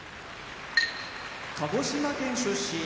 鹿児島県出身